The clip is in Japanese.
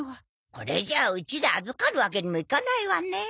これじゃうちで預かるわけにもいかないわね。